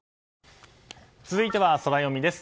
続いてはソラよみです。